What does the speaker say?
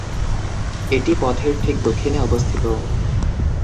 এটি পথের ঠিক দক্ষিণে অবস্থিত।